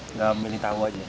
enggak memilih tahu saja